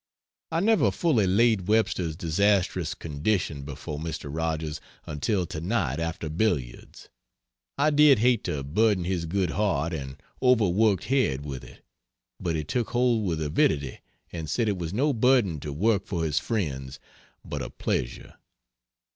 I never fully laid Webster's disastrous condition before Mr. Rogers until to night after billiards. I did hate to burden his good heart and over worked head with it, but he took hold with avidity and said it was no burden to work for his friends, but a pleasure.